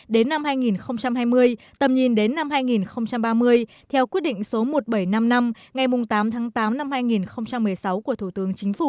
đến năm hai nghìn hai mươi tầm nhìn đến năm hai nghìn ba mươi theo quyết định số một nghìn bảy trăm năm mươi năm ngày tám tháng tám năm hai nghìn một mươi sáu của thủ tướng chính phủ